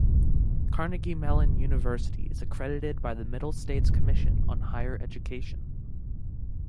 Carnegie Mellon University is accredited by the Middle States Commission on Higher Education.